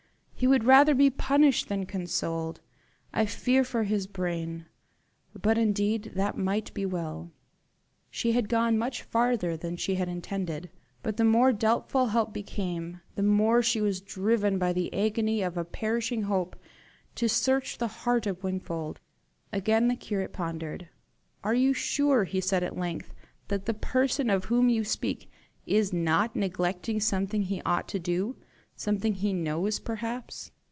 He would rather be punished than consoled. I fear for his brain. But indeed that might be well." She had gone much farther than she had intended; but the more doubtful help became, the more she was driven by the agony of a perishing hope to search the heart of Wingfold. Again the curate pondered. "Are you sure," he said at length, "that the person of whom you speak is not neglecting something he ought to do something he knows perhaps?"